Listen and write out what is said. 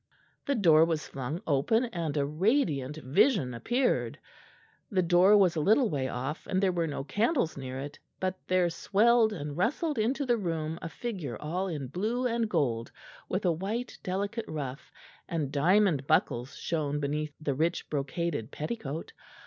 The door was flung open and a radiant vision appeared. The door was a little way off, and there were no candles near it; but there swelled and rustled into the room a figure all in blue and gold, with a white delicate ruff; and diamond buckles shone beneath the rich brocaded petticoat.